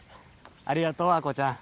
ありがとう亜子ちゃん。